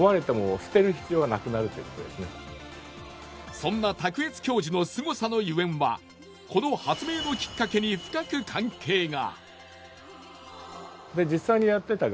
そんな卓越教授のすごさのゆえんはこの発明のきっかけに深く関係が。